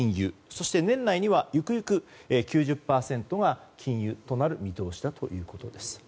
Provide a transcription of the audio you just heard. そして年内にはゆくゆく９０％が禁輸になる見通しだと。